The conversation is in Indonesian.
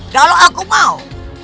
kalau aku mau